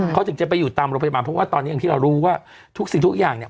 เขาถึงจะไปอยู่ตามโรงพยาบาลเพราะว่าตอนนี้อย่างที่เรารู้ว่าทุกสิ่งทุกอย่างเนี่ย